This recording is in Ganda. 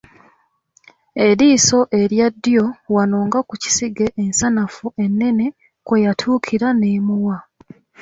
Eriiso erya ddyo wano nga ku kisige ensanafu ennene kwe yatuukira n’emuwa.